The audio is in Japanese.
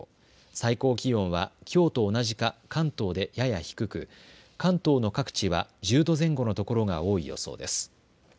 最高気温はきょうと同じか関東でやや低く、関東の各地は１０度前後のところが多い予想です。